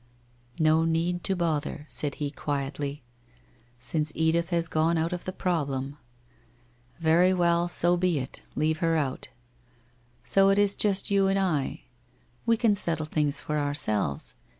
' No need to bother,' said he quietly, ' since Edith has WHITE ROSE OF WEARY LEAF 255 gone out of the problem. Very well, so be it, leave her out. So it is just you and I. We can settle things for ourselves.